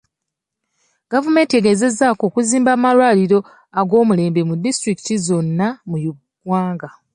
Gavumenti egezezzaako okuzimba amalwaliro ag'omulembe mu disitulikiti zonna mu ggwanga.